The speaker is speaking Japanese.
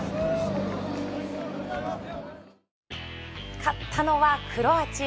勝ったのはクロアチア。